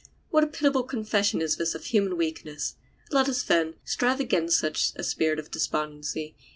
What a pitiable confession is this of human weakness! Let us, then, strive against such a spirit of despondency.